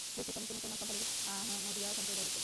দেশটির সমস্ত মুসলমান সংখ্যালঘু আহমদিয়া সম্প্রদায়ভুক্ত।